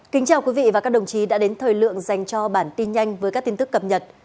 kính chào quý vị và các đồng chí đã đến thời lượng dành cho bản tin nhanh với các tin tức cập nhật